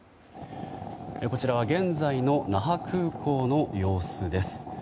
こちらは現在の那覇空港の様子です。